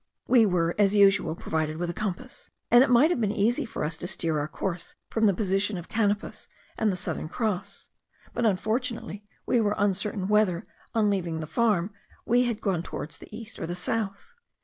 We were, as usual, provided with a compass, and it might have been easy for us to steer our course from the position of Canopus and the Southern Cross; but unfortunately we were uncertain whether, on leaving the farm, we had gone towards the east or the south.